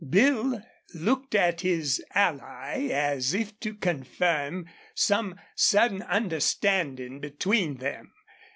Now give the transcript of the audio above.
Bill looked at his ally as if to confirm some sudden understanding between them.